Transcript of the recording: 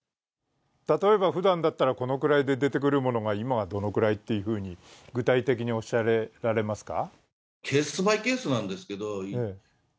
例えばふだんだったら、このくらいで出てくるものは今はどのくらいというふうに具体的におっしゃられますか？